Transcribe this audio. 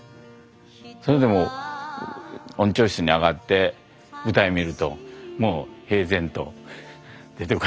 それでも音調室に上がって舞台見るともう平然と出て来られて。